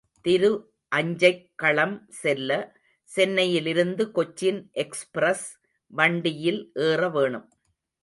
திரு அஞ்சைக்களம் செல்ல, சென்னையிலிருந்து கொச்சின் எக்ஸ்பிரஸ் வண்டியில் ஏறவேணும்.